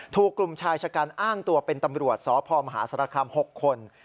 ถูกกลุ่มชายชะกันอ้างตัวเป็นตำรวจสพมหาสารคาม๖คน